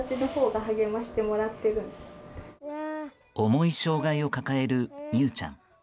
重い障害を抱える美羽ちゃん。